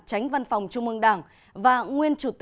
tránh văn phòng trung mương đảng